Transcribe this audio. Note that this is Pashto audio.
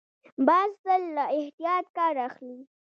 باز تل له احتیاط کار اخلي